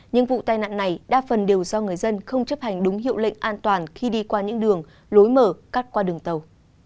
nhưng vụ tai nạn này đa phần đều do người dân không chấp hành đúng hiệu lệnh an toàn khi đi qua những đường lối mở cắt qua đường tàu